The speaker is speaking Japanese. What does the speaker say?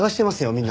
みんな。